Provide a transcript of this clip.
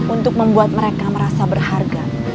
untuk membuat mereka merasa berharga